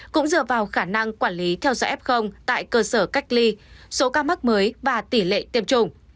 cũng dựa vào khả năng quản lý theo dõi f tại cơ sở cách ly số ca mắc mới và tỷ lệ tiêm chủng